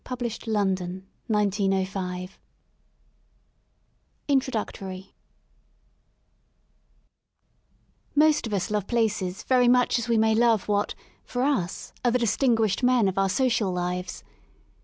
— The cloud Page 14s P£ INTRODUCTORY MOST of us love places very much as we may love what, for us, are the distinguished men of our social lives.